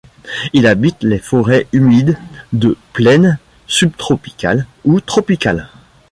Il habite les forêts humides de plaines subtropicales ou tropicales.